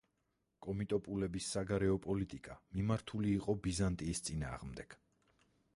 კომიტოპულების საგარეო პოლიტიკა მიმართული იყო ბიზანტიის წინააღმდეგ.